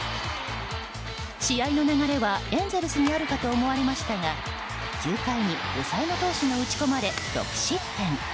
試合の流れは、エンゼルスにあるかと思われましたが９回に抑えの投手が打ち込まれ６失点。